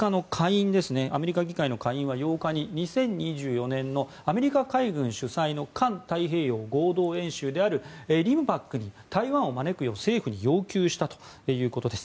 アメリカ議会の下院は８日に２０２４年のアメリカ海軍主催の環太平洋合同演習であるリムパックに台湾を招くよう政府に要求したということです。